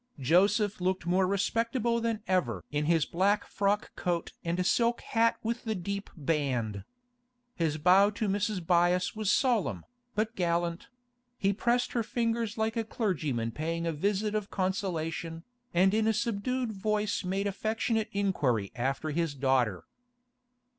Joseph looked more respectable than ever in his black frock coat and silk hat with the deep band. His bow to Mrs. Byass was solemn, but gallant; he pressed her fingers like a clergyman paying a visit of consolation, and in a subdued voice made affectionate inquiry after his daughter.